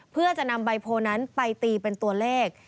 เพื่อจะนำใบโพลนั้นไปตีเป็นตัวเลข